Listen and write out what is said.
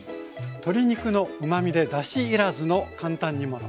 鶏肉のうまみでだし要らずの簡単煮物。